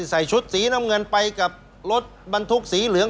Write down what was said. ใส่ชุดสีน้ำเงินไปกับรถบรรทุกสีเหลือง